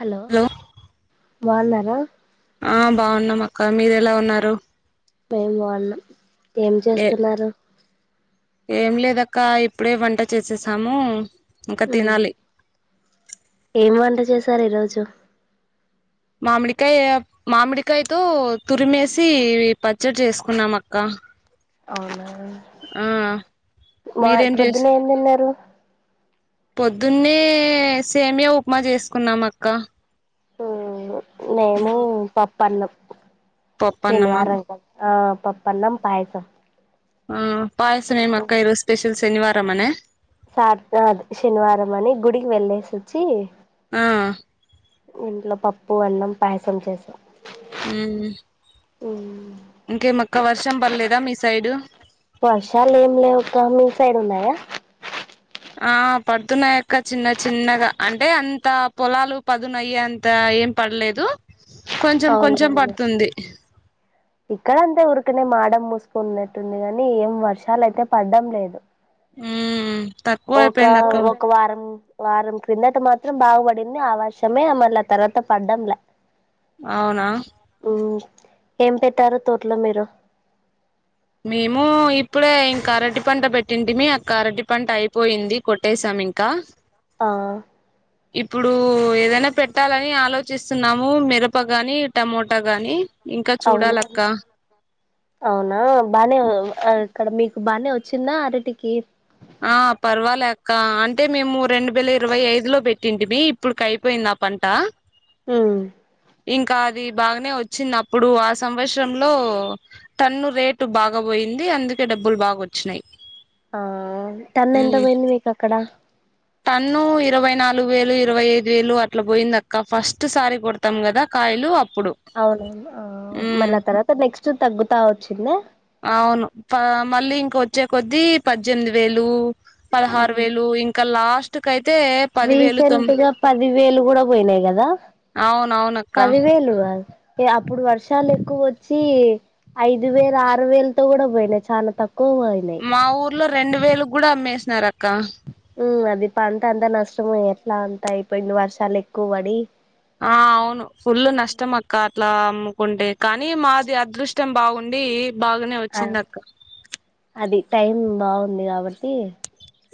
Hello బాగున్నార ఆఁ బావున్నమ్ అక్కా మీరెలా ఉన్నారు మేం బావున్నం ఏం ఏ జేస్తున్నారు ఏం లేదక్కా ఇప్పుడే వంట చేసేసామూ ఇంక ఉమ్ తినాలి ఏం వంట చేసారు ఈరోజు మామిడికాయ మామిడికాయతో తురిమేసీ పచ్చడి జేస్కున్నాం అక్కా ఔనా మార్ మీరేం చేస్ ప్రొద్దునే ఏం దిన్నారూ పొద్దున్నే సేమియా ఉప్మా జేస్కున్నాం అక్కా ఊఁ నేనూ పప్పన్నం పప్పు అన్నమా శెనివారంగ ఆ పప్పన్నం పాయసం ఆఁ పాయసం మేమక్క ఈ రోజ్ స్పెషల్ శెనివారం మనే సార్ నాధ్ శెనివారమనీ గుడికి వెళ్ళేసొచ్చీ ఆ ఇంట్లొ పప్పూ అన్నం పాయసం చేసా ఊహు ఊఁ ఇంకేమక్క వర్షం బల్లేద మీ సైడు వర్షాలేం లేవక్కా మీ సైడ్ ఉన్నయా ఆ పడుతున్నాయ్ అక్క చిన్న చిన్నగా అంటే అంత పొలాలు పదునయ్యేంత ఏం పడ్లేదు కొంచం కొంచం పడ్తుంది ఇక్కడంతే ఊర్కనె మాడం మూసుకున్నెట్టుంది గానీ ఏం వర్షాలైతే పడ్డం లేదు ఉమ్ తక్కువ ఒకా అయిపోయింది అక్క ఒక వారం వారం క్రిందట మాత్రం బాగ్ పడిం ది ఆవర్షమే మల్ల తర్వాత పడ్డం ల్య ఔన ఏం పెట్టారు తోట్లొ మీరు మేమూ ఇప్పుడే ఇంకరటి పంట పెట్టింటిమీ ఆ కరటి పంట అయిపోయింది కొట్టేేసాం మింకా ఆఁ ఇప్పుడూ ఏదన్న పెట్టాలని ఆలోచిస్తున్నాము మిరప గానీ టమోటా గాని ఇంక చూడాలక్కా ఔనా బానే ఆ ఇక్కడ మీకు బానే వచ్చిందా అరటికీ ఆ పర్వాల్యాక్కా అంటే మేమూ రెండు వేల ఇరవై ఐదు లో పెట్టింటి మీ ఇప్పుడుకైపోయింద పంటా ఊఁ ఇంకా అదీ బాగనే వచ్చిన్ అప్పుడూ ఆ సంవత్సరంలో టన్ను రేటు బాగా పోయిం యింది అందుకే డబ్బుల్ బాగొచ్చినయ్ ఆ టన్నెంత పోయింది మీకక్కడా టన్ను ఇరవై నాలుగు వేలు ఇరవై ఐదు వేలు అట్ల బోయిందక్క ఫస్ట్ సారి గొడ్తం గదా కాయ్ లూ ఔన ఆ మళ్ళ తర్వాత నెక్స్ట్ తగ్గుతా వచ్చింద్యా ఔను పా మళ్ళీ ఇంక వచ్చే కొద్దీ పజ్జెమ్ది వేలూ పదహారు వేలూ ఇంక లాస్టు కైత్ రీసెంటుగ పది వేలు గుడ బోయ్నయ్ గద అవునవునక్క పదివేలు గాద్ అప్పుడు వర్షాలెక్కువోచ్చి ఐదు వేలు ఆరు వేలతో కూడా పోయినాయి చాలా తక్కువ పోయినాయి మా ఊర్లో రెండు వేలు కూడా అమ్మేసినారక్క ఉ అది పంటంతా నష్టం ఎట్లా అంత అయిపోయింది వర్షాలు ఎక్కువ పడి ఆ అవును ఫుల్ నష్టమక్క అట్లా అమ్ముకుంటే కానీ మాది అదృష్టం బాగుండి బాగానే ఆ వచ్చింది అక్క అది టైం బాగుంది కాబట్టి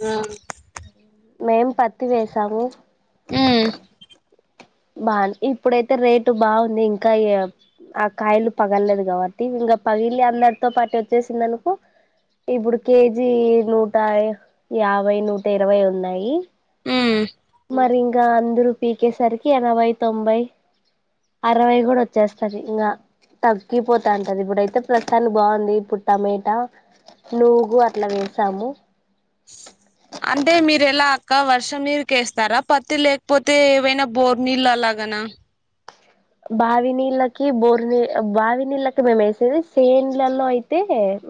ఆ మేమ్ పతు వేసాము ఉ బా ఇప్పుడైతే రేటు బాగుంది ఇంకా ఈ ఆ కాయలు పగలలేదు కాబట్టి, ఇంగ పగిలి అందరితో పాటు వచ్చేసిందనుకో, ఇప్పుడు కేజీ నూట యాభై, నూట ఇరవై ఉన్నాయి. మ్ మరింగ అందరూ పీకేసరికి ఎనవై, తొంభై అరవై కూడా వచ్చేస్తది ఇంగ. తగ్గిపోతాంటది. ఇబ్బుడయితే, ప్రస్తుతానికి బాగుంది ఇప్పుడు టమేటా. నూగు అట్ల వేసాము. అంటే మీరు ఎలా అక్క? వర్షం నీరుకెస్తారా పత్తి, లేకపోతే, ఏవైనా బోర్ నీళ్ళు అలాగ గనా? బావి నీళ్ళకి బోరు నీ, బావి నీళ్ళకి మేమేసేది. సేండ్లలో అయితే,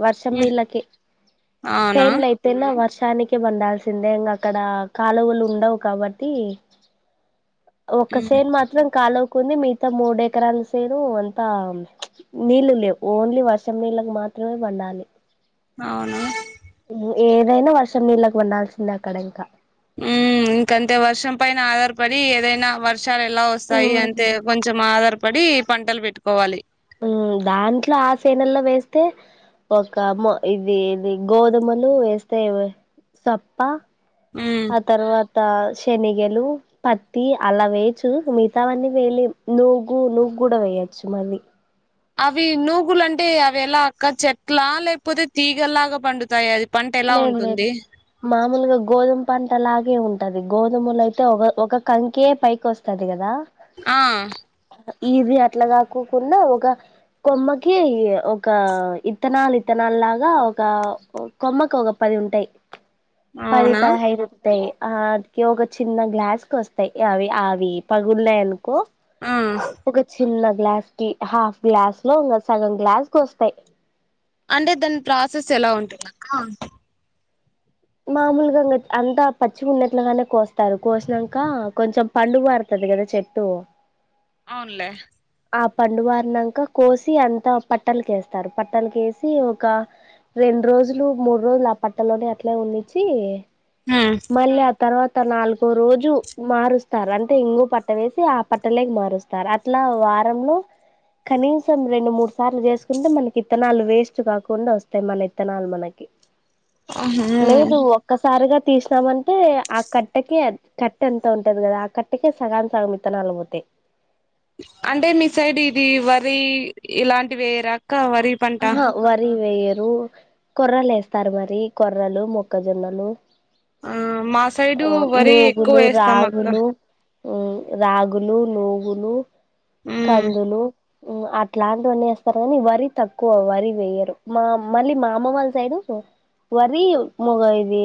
వర్షం నీళ్లకే. అవునా సేండ్లయితేనా వర్ష తానికి పండాల్సిందే. ఇంక అక్కడ కాలువలు ఉండవు కాబట్టి, ఒక్క ఉమ్ సేన్ మాత్రం కాలవ్ కుంది మిగతా మూడు ఎకరాలు సేను అంతా నీళ్ళు లేవు. ఓన్లీ వర్షం నీళ్ళకి మాత్ త్రమే పండాలి. అవునా! ఏదైన వర్షం నీళ్ళకి వండాల్సిందే అక్కడ ఇంక మ్ ఇంకంతే. వర్షం పైన ఆధారపడి ఏదైనా వర్ వర్షాలు ఎలా వస్తాయి అంటే, కొంచెం ఆధారపడి పంటలు పెట్టుకోవాలి. మ్ దాంట్లో ఆ సేనల్లో వేస్తే ఒక మ ఇది ఇది గోధుమలు వేస్తే సప్ప ఉమ్ ఆ తర్వాత శనగలు, పత్తి అలా వేయచ్చు. మిగతావన్నీ వేయలేం. నూగు నూగ్ కూడ వేయ అచ్చు మల్లి. అవి నూగులు అంటే, అవి ఎలా అక్క? చెట్లా? లేకపోతే, తీగలాగా పండుతాయ అది? పంట ఎలా లేదు లేదు. ఉంటుంది మామూలుగా గోధుమ పంటలాగే ఉంటది. గోధుమలో అయితే ఒగ, ఒక కంకే పైకొస్తది కదా! ఆ ఇది అట్ల కాకోకున్నా ఒక కొమ్మకి, ఒక ఇత్తనాలు ఇత్తనా ల్ లాగ ఒక కొమ్మకు ఒక పది ఉంటాయి. పది అవునా పదిహైదు ఉంటాయి. ఆటికి ఒక చిన్న గ్లాస్ కొస్తాయి. అవి అవి పగుల్నాయను కో ఆ ఒక చిన్న గ్లాస్ కి, హాఫ్ గ్లాస్ లో ఇంగ సగం గ్లాస్కొస్తాయి. అంటే దాని ప్రాసెస్ ఎలా ఉంటుందక్క? మామూలుగా అంతా పచ్చిగున్నట్లగానే కోస్తారు. కోసినంక కొంచెం పండుబారుత ది కదా చెట్టు. అవునులే ఆ పండుబారినంక కోసి అంతా పట్టలకేస్తారు. పట్టలకేసి ఒక రె రెండు రోజులు మూడు రోజులు ఆ పట్టలోనే అట్లే ఉన్నిచ్చి, మళ్ళీ ఆ తర్వా త నాలుగో రోజు మారుస్తార్. అంటే ఇంగో పట్ట వేసి ఆ పట్టలేకి మారుస్తార్. అట్ల, వారంలో కనీసం రెండు మూడు సార్లు చేసుకుంటే, మనకి ఇత్తనాలు వేస్ట్ కాకుండా ఒస్తాయి. మన ఇత్తనాల్ మనకి. ఆహా లేదు ఒక్కసారిగా తీసినామంటే, ఆ కట్టేకే కట్టె అంత ఉంటది కదా ఆ కట్టకే సగాం సగం ఇత్తనాలు పోతాయ్. అంటే మీ సైడ్ ఇదీ వరీ ఇలాంటివేయరా అక్క వరి పంట. వెయ్యరు. కొర్రలు వేస్తారు మరి. కొర్రలు, మొక్కజొన్నలు. ఆ మా సైడు అ వరి ఎక్కువ నూగులు, వేస్తాం అక్క రాగలు. మ్ రాగులు, నూగులు, ఉమ్ కందులు అట్లాంటివన్నీ ఏస్తారు గని వరి తక్కువ్వరి వయ్యరు మా మళ్ళీ మా అమ్మ వాళ్ళ సైడు వరి ముగ ఇది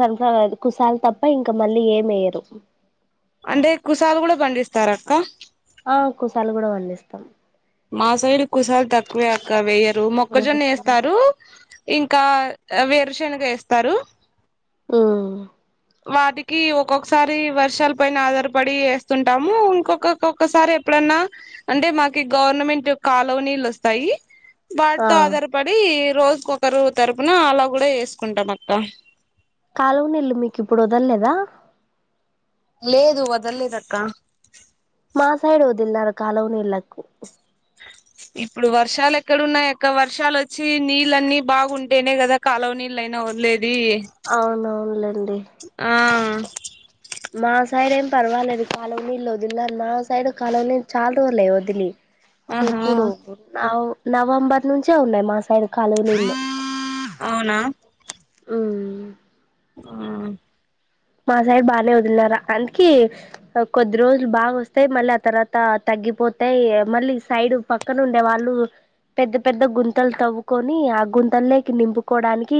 సన్ఫ్లవర్ కుసాల్ తప్ప ఇంకా మళ్ళీ ఏం ఎయ్యరు అంటే కుసాలు కూడ పండిస్తార అక్క ఆ కుసాల్ కూడా వండిస్తాం మా సైడు కుసాల్ తక్కువే అక్క వేయరు మొక్కజొన్న ఏస్తారు ఇంకా వేరుశనగ ఏస్తారు మ్ వాటికి ఒక్కొక్కసారి వర్షాల్ పైన ఆధారపడి వేస్తుంటాము ఇంకొక్కక్కొక్కసారి ఎప్పుడైనా అంటే మాకి గవర్నమెంట్ కాలోనీలు ఒస్తాయి ఆ వాటితో ఆధారపడి రోజుకొకరు తరపున అలా కూడా ఏసుకుంటాం అక్క కాలువ నీల్లు మీక్ ఇప్పుడు వదల్లేదా లేదు వదల్లేదక్క మా సైడ్ వదిలినారు కాలువ నీళ్ళకు ఇప్పుడు వర్షాలు ఎక్కడున్నాయ్ అక్క వర్షాలు వచ్చి నీళ్ళన్ని బాగుంటేనే కదా కాలవ నీళ్ళయినా వలేద్ అవునవునులేండి ఆ మా సైడ్ ఏం పర్వాలేద్ కాలనీలు వదిలి మా సైడ్ కాలనీ చాలా రూలే వదిలి ఆహా ఎప్పుడు నవ నవంబర్ నుంచే ఉన్నాయ్ మా సైడ్ కాలువ నీళ్లు అవునా మ్ ఆ మా సైడ్ బాగనే వదిన్నారా అందుక కొద్ది రోజులు బాగా వస్తాయి మళ్ళీ ఆ తర్వాత తగ్ తగ్గిపోతాయ్ మళ్ళీ సైడ్ పక్కన ఉండే వాళ్ళు పెద్ద పెద్ద గుంతలు తవ్వుకొనీ ఆ గుంత లేకి నింపుకోవడానికి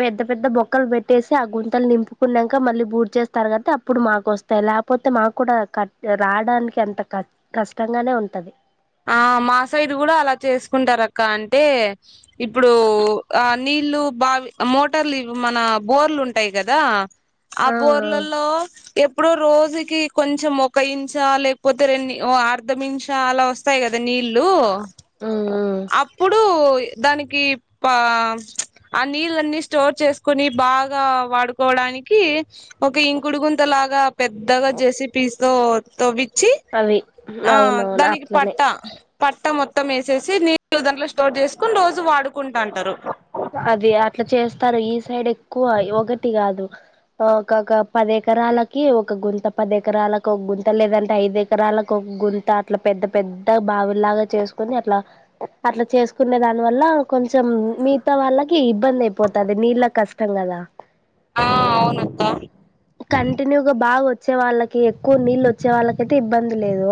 పెద్ద పెద్ద బొక్కలు పెట్టేసి ఆ గుంతల్ నింపు ఉన్నంక మళ్ళీ బూర్ చేస్తారు కదట్టి అప్పుడు మాకు ఒస్తాయ్ లేకపోతే మాక్ కూడ క రావడానికి ఎంత క కష్టంగానే ఉంటది ఆ మా సైడ్ కూడా అలా చేసుకుంటార్ అక్క అంటే ఇప్పుడూ ఆ నీ ఇల్లు బావ్ మోటార్లు మన బోర్లు ఉంటాయి కదా ఆ బోర్లల్లో ఎప్పుడూ రోజు కి కొంచెం ఒక ఇంచా లేకపోతే రెం అర్ధ ఇంచ అలా వస్తాయ్ కదా నీళ్లు ఉమ్ ఉమ్ అప్పుడు ప్ దానికి ప ఆ నీళ్లన్ని స్టోర్ చేసుకొని బాగా వాడు క్ కోడానికి ఒక ఇంకుడుగుంత లాగా పెద్దగా జే సి పీస్తో తోవ్వి పి చ్చి అవి ఆ అవునవును దానికి అట్లనే పట్ట పట్ట మొత్తం వేసేసి నీళ్లు దాంట్లో స్టోర్ చేసుకుని రోజు వాడుకుంటుంటారు అది అట్లా చేస్తార్ ఈ సైడ్ ఎక్కువ ఒకటి గాదు ఒకొ ఒక పది ఎకరాలకి ఒక గుంత పది ఎకరాలకు ఒక గుంత లేదంటే ఐదు ఎకరాలకు ఒక గుంత అట్లా పెద్ద పెద్ద బావిలాగా చేసుకుని అట్లా అట్లా చేసుకునే దాని వల్ల కొంచెం మిగతా వాళ్ళకి ఇబ్బంది అయిపోతది నీళ్ళ కష్టం కదా ఆ అవునక్క కంటిన్యూగా భాగ వత్ వచ్చే వాళ్ళకి ఎక్కువ నీళ్ళ వచ్చే వాళ్ళకయితే ఇబ్బంది లేదు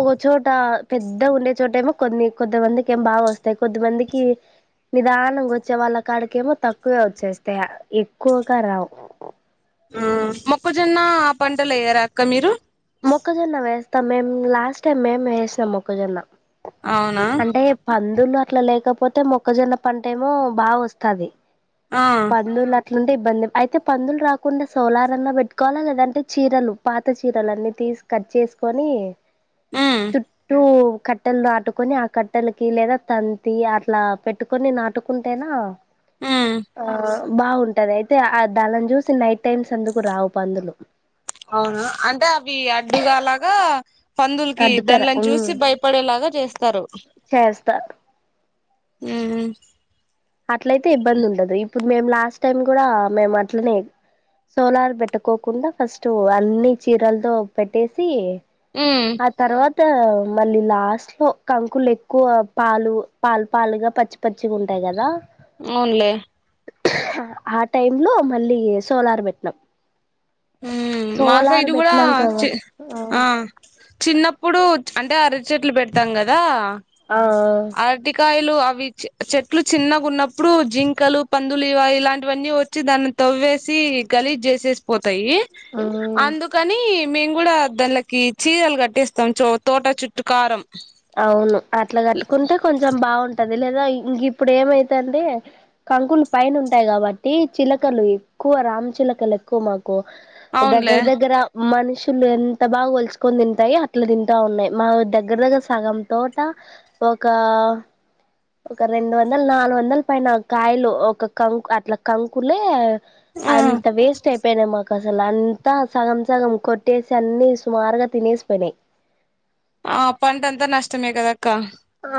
ఒక చోట పెద్ద ఉండే చో ట ఏమో కొన్ని కొది మందికి ఏం బాగా వస్తాయి కొద్ది మందికి నిదాన వచ్చే వాళ్ళ కాడికేమో తక్కువే వచ్చేస్తాయ్ ఎక్కువగా రావు ఆ మొక్కజొన్న ఆ పంటలు వెయ్యారా అక్క మీరు మొక్కజొన్న వేస్తాం మేం లాస్ట్ టైం మేము వేసినం మొక్కజొన్న అవునా అంటే పందులు అట్లా లేకపోతే మొక్కజొన్న పంట ఏమో బాగా వస్తది ఆ పందులక్ ఇట్లాంటే ఇబ్బంది అయితే పందులు రాకుండా సోలార్ అన్నా పెట్టుకోవాలా లేదంటే చీరలు పాత చీరలు అన్నీ కట్ చే ఉమ్ చుట్టూ కట్ట కొని ఆ కట్టలకి లేదా తంతి అట్లా పెట్టుకొని నాటుకుంటేనా ఉమ్ ఆ బాగుంటు ఉంటది అయితే ఆ దళం చూసి నైట్ టైమ్స్ అందుకు రావు పందులు అవును అంటే అవి అడ్డుగా లాగా పందులకి అడ్డుతార దానిలను ఉమ్ చూసి భయపడేలాగా చేస్తారు చేస్తారు ఆ అట్లయితే ఇబ్బంది ఉండదు ఇప్పుడు మేము లాస్ట్ టైం కూడా మేము అట్లనే సోలార్ పెట్టుకోకుండా ఫస్ట్ అన్ని చీరలతో పెట్టేసి ఉమ్ ఆ తర్వాత మళ్ళీ లాస్ట్ లో కంకులు ఎక్కువ పాలు పాలు పాలుగా పచ్చి పచ్చి ఉంటాయి కదా అవునులే ఆ టైమ్ లో మళ్ళీ సోలార్ పెట్టినాం మా సోలార్ సైడ్ కూడా పెట్టినాం కదా ఆ చిన్నప్పుడు అంటే అరటి చెట్లు పెడతాం కదా ఆ అరటికాయ అవి చెట్లు చిన్నగా ఉన్నప్పుడు జింకలు పందులు ఇ ఇలాంటివన్నీ వచ్చి దాని త వేసి గలీజ్ చేసేసి పోతాయి మ్మ్ అందుకని మేము కూడా దానిలకి చీరలు కట్టేస్తాం చో తోట చుట్టు కారం అవును అట్లా కట్టుకుంటే కొంచెం బాగుంటు పది లేదా ఇంక ఇప్పుడు ఏమైత అంటే కంకులు పైన ఉంటాయి కాబట్టి చిలకలు ఎక్కువ రామ్చలకలు ఎక్కువ మాకు దగ్గర అవునులే దగ్గర మనుషులు ఎంత బాగా వాలుచొక్కని తింటాయి అట్లా తింటా ఉన్నాయి మా దగ్గర దగ్గర సగం తోట ఒక ఒక రెండు వందలు నాలుగు వందల పైన కాయలు ఒక కం అట్లా కంకులే అంత వేస్ట్ అయిపోయిన మావి అసలు అంతా సగం సగం కొట్టేసి అన్ని సుమారుగా తినేసి పోనాయి ఆ పంంట అంతా నష్టమేగ అదక్క ఆ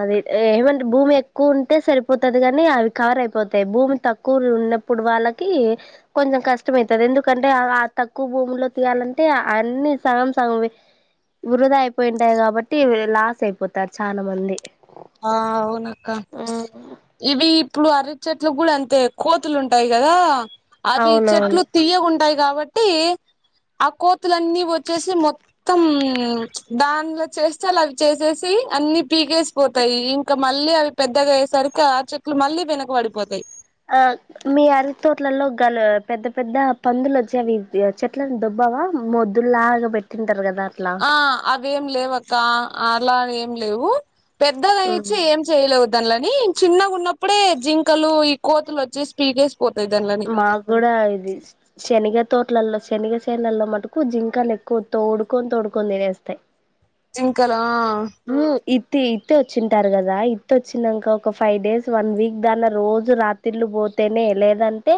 అది ఏమంటే భూమి ఎక్కువ ఉంటే సరిపోతుది కానీ అవి కవర్ అయిపోతాయి భూమి తక్కువ ఉన్నప్పుడు వాళ్ళకి కొంచెం కష్టమ అవుతుది ఎందుకంటే తక్కువ భూమిలో తీయాల అంటే అన్ని సగం సగం వృధా అయిపోయింటాయి కాబట్టి లాస్ అయిపోత చాలా మంది ఆ అవునక్క ఇవి ఇప్పుడు అర చెట్లు కూడా అంతే కోతులు ఉంటాయి కదా అవి చెట్లు అవునవును తీయగాంటాయి కాబట్టి ఆ కో కోతులున్ని వచ్చేసి మొత్తం మొత్తం ద్యాన్ల చేస్తే అవి చేసేసి అన్ని పీకేసి పోతాయి ఇంకా మళ్ళీ అవి పెద్దగా అయేసరికి ఆ చెక్లు మళ్ళీ వెనకబడిపోతాయి ఆ మీ అరి తోట్లలో గల పెద్ద పెద్ద పందులు వచ్చేవి చెట్లను దబ్బు బాగా మొద్దు లాగా పెట్టింటారు కదా అట్లా ఆ అవేం లేవు అక్క అలా ఏం లేవు పెద్దది ఇచ్చి ఏం చేయలేదు అనిల కానీ చిన్నగా ఉన్నప్పుడే జింకలు ఈ కోతులు వచ్చేసి పీడేసి మాకు కూడా ఇది శనిగ తోట్లలో శనగ శేనల్లో మటుకు జింకాను ఎక్కువ తోడుకొని తోడుకొని తినేస్తాయి జెనకాల ఇత్ ఇత్ వచ్చింటారు కదా ఇత్ వచ్చినాక ఒక ఫైవ్ డేస్ వన్ వీక్ దాన్ని రోజు రాత్రిళ్లు పో అంతేనే ఎ లేద అంత టే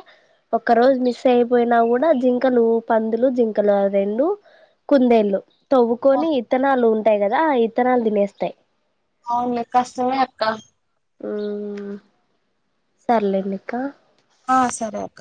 ఒక్క రోజు మిస్ అయిపోయినా కూడా జింకలు పందులు జింకలు రెండు కుందేళ్లు ఆ తవ్వుకొని విత్తనాలు ఉంటాయి కదా ఆ విత్తనాలు తినేస్తాయి అవునులే కష్టమే అక్కా ఊ సర్లెండి అక్కా ఆ సరే అక్క